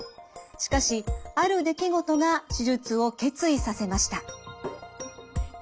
しかしある出来事が手術を決意させました。